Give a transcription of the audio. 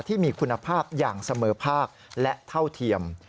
ที่มีคุณภาพอย่างเสมอภาคและเท่าเทียม